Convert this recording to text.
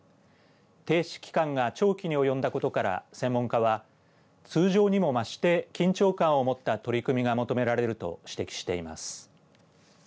停止期間が長期に及んだことから専門家は通常にも増して緊張感を持った取り組みが求められると指摘しています。